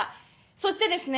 そしてですね